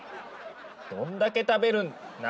どんだけ食べるんなんですか